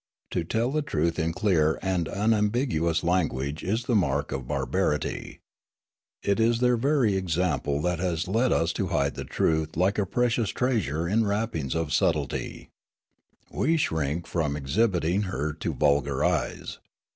To tell the truth in clear and unambiguous language is the mark of bar barity. It is their very example that has led us to hide 3? Riallaro truth like a precious treasure in wrappings of subtlety. We shrink from exhibiting her to vulgar eyes.